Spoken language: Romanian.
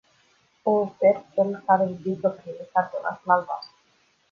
O ofer celor care ridică primii cartonașul albastru.